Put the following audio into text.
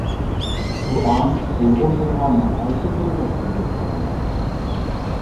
«قۇرئان» ئۇيغۇر تىلىغا ناھايىتى بۇرۇنلا تەرجىمە قىلىنغان.